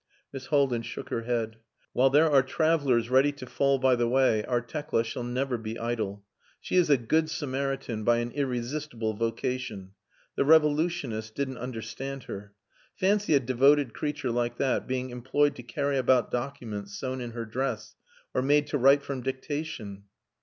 Miss Haldin shook her head. "While there are travellers ready to fall by the way our Tekla shall never be idle. She is a good Samaritan by an irresistible vocation. The revolutionists didn't understand her. Fancy a devoted creature like that being employed to carry about documents sewn in her dress, or made to write from dictation."